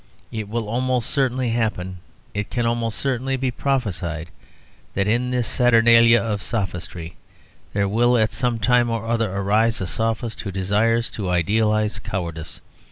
It will almost certainly happen it can almost certainly be prophesied that in this saturnalia of sophistry there will at some time or other arise a sophist who desires to idealise cowardice.